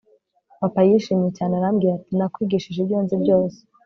papa yishimye cyane arambwira ati nakwigishije ibyo nzi byose